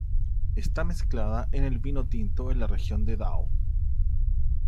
Está mezclada en el vino tinto en la región de Dão.